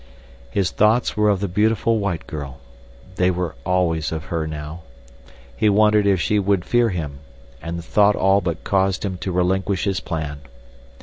His thoughts were of the beautiful white girl. They were always of her now. He wondered if she would fear him, and the thought all but caused him to relinquish his plan.